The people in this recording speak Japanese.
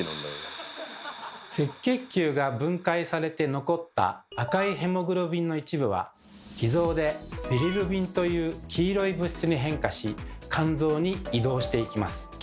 赤血球が分解されて残った赤いヘモグロビンの一部は脾臓でビリルビンという黄色い物質に変化し肝臓に移動していきます。